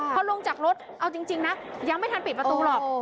พอลงจากรถเอาจริงนะยังไม่ทันปิดประตูหรอก